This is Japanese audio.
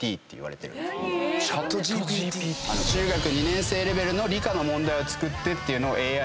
何⁉中学２年生レベルの理科の問題を作ってっていうのをＡＩに今。